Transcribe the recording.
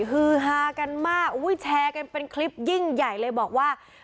ฮือฮากันมากแชร์กันเป็นคลิปยิ่งใหญ่เลยบอกว่า